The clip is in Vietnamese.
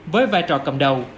với vai trò cầm đầu